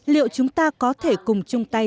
liệu chúng ta có thể cùng chung tay